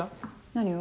何を？